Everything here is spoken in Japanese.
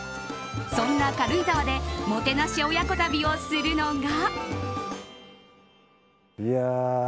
そんな軽井沢でもてなし親子旅をするのが。